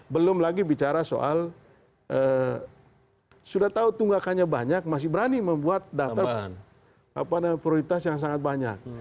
belum lagi bicara soal sudah tahu tunggakannya banyak masih berani membuat daftar prioritas yang sangat banyak